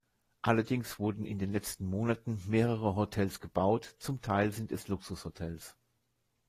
Allerdings wurden in den letzten Monaten mehrere Hotels gebaut, zum Teil sind es Luxushotels.